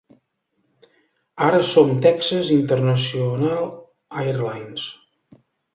Ara som Texas International Airlines.